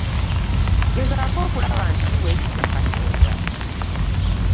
Gezaako okulaba nti weesiga Katonda.